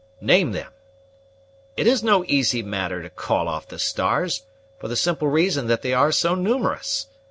"Name them! it is no easy matter to call off the stars, for the simple reason that they are so numerous.